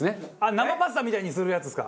生パスタみたいにするやつですか。